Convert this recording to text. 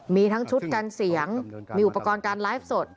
มีทั้งชุดกันเสียงมีอุปกรณ์การไลฟ์สด